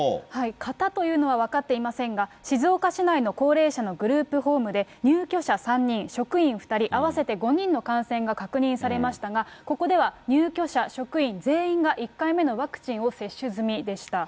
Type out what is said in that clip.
型というのは分かっていませんが、静岡市内の高齢者のグループホームで、入居者３人、職員２人、合わせて５人の感染が確認されましたが、ここでは入居者、職員、全員が１回目のワクチンを接種済みでした。